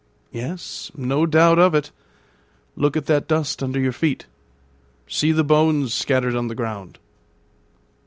"Yes; no doubt of it. Look at that dust under your feet; see the bones scattered on the ground."